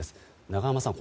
永濱さん